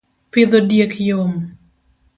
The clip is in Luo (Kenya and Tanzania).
pidho diek yom